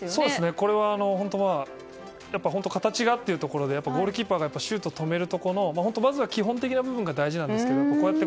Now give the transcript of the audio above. これは本当形がというところでゴールキーパーがシュートを止めるところの基本的な部分が大事なんですって。